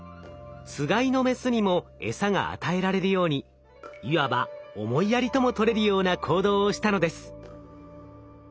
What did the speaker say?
つがいのメスにもエサが与えられるようにいわば思いやりとも取れるような行動をしたのです。